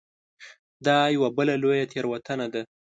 دا یوه بله لویه تېروتنه ده.